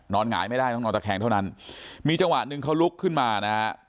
หงายไม่ได้ต้องนอนตะแคงเท่านั้นมีจังหวะหนึ่งเขาลุกขึ้นมานะฮะ